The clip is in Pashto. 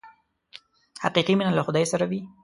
حقیقي مینه له خدای سره وي.